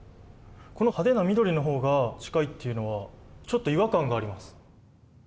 この派手な緑の方が近いっていうのはちょっと違和感があります。